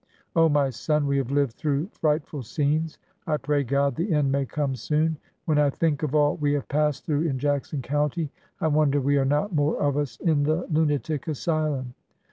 Oh, my son, we have lived through frightful scenes ! I pray God, the end may come soon! When I think of all we have passed through in 348 ORDER NO. 11 Jackson County, I wonder we are not more of us in the lunatic asylum!